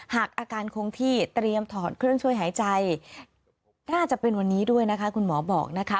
หากอาการคงที่เตรียมถอดเครื่องช่วยหายใจน่าจะเป็นวันนี้ด้วยนะคะคุณหมอบอกนะคะ